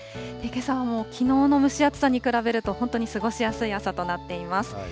けさはもう、きのうの蒸し暑さに比べると、本当に過ごしやすい朝となっています。